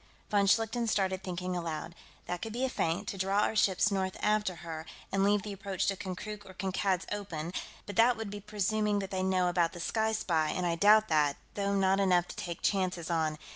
Von Schlichten started thinking aloud: "That could be a feint, to draw our ships north after her, and leave the approach to Konkrook or Kankad's open, but that would be presuming that they know about the Sky Spy, and I doubt that, though not enough to take chances on.